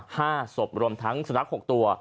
ห้าศพรวมทั้งสุนัขหกตัว